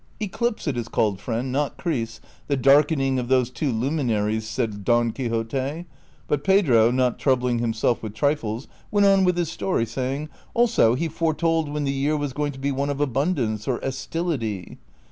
" Eclipse it is called, friend, not cris, the darkening of those two luminaries," said Don Quixote ; but Pedro, not troubling himself with trifles, went on with his story, saying, " Also he foretold when the year was going to be one of abundance or estility."